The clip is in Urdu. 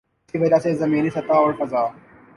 اسی وجہ سے زمینی سطح اور فضا